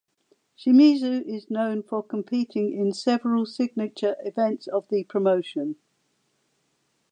Shimizu is known for competing in several signature events of the promotion.